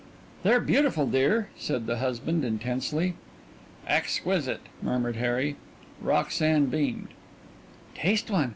"They're beautiful, dear," said the husband, intensely. "Exquisite," murmured Harry. Roxanne beamed. "Taste one.